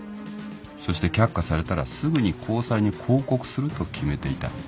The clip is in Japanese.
そして却下されたらすぐに高裁に抗告すると決めていた。